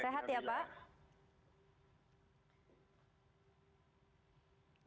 sehat ya pak